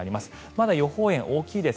まだ予報円は大きいです。